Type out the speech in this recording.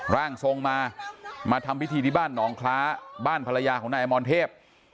ร่างทรงมามาทำพิธีที่บ้านหนองคล้าบ้านภรรยาของนายอมรเทพ